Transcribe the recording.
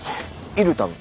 イルタム？